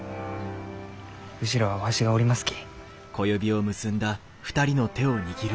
後ろはわしがおりますき。